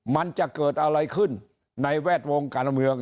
มันจะเกิดอะไรขึ้นในแวดวงการเมือง